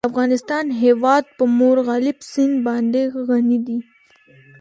د افغانستان هیواد په مورغاب سیند باندې غني دی.